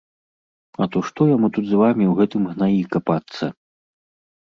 А то што яму тут з вамі ў гэтым гнаі капацца?!